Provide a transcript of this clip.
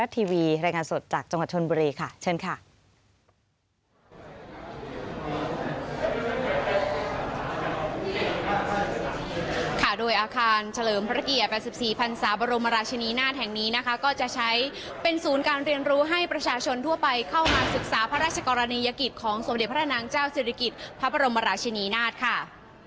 ด้วยอาคารเฉลิมภรรกิจ๘๔๐๐๐สาปรมราชนีนาฏแห่งนี้นะคะก็จะใช้เป็นสูญการเรียนรู้ให้ประชาชนทั่วไปเข้ามาศึกษาพระราชกรณียกิจของสมเด็จพระนางเจ้าศิริกิจพระปรมราชนีนาฏค่ะ